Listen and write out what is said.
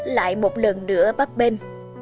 lại một lần nữa bắp bên